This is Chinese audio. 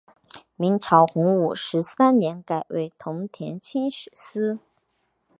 明朝洪武十三年改为屯田清吏司。